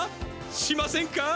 しませんか？